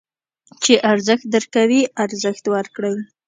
چې ارزښت درکوي، ارزښت ورکړئ.